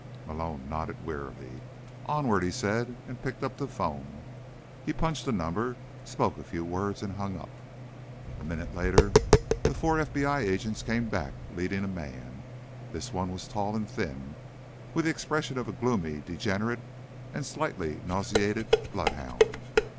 Malone nodded wearily. "Onward," he said, and picked up the phone. He punched a number, spoke a few words and hung up. A minute later, the four FBI agents came back, leading a man. This one was tall and thin, with the expression of a gloomy, degenerate and slightly nauseated bloodhound.